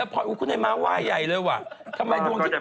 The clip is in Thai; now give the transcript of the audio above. ฮุ้ยทุกคนให้มาว่ายใหญ่เลยว่ะ